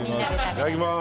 いただきます。